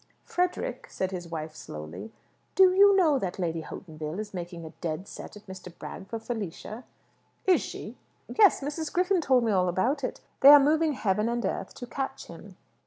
"Frederick," said his wife slowly, "do you know that Lady Hautenville is making a dead set at Mr. Bragg for Felicia?" "Is she?" "Yes. Mrs. Griffin told me all about it. They are moving heaven and earth to catch him."